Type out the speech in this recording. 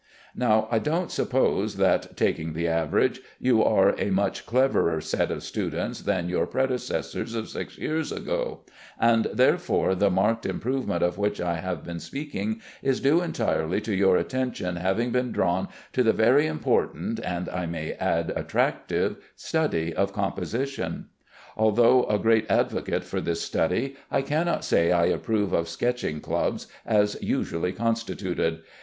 Now I don't suppose that (taking the average) you are a much cleverer set of students than your predecessors of six years ago, and therefore the marked improvement of which I have been speaking is due entirely to your attention having been drawn to the very important, and I may add attractive, study of composition. Although a great advocate for this study, I cannot say I approve of sketching clubs as usually constituted.